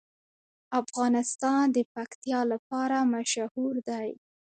افغانستان د پکتیا لپاره مشهور دی.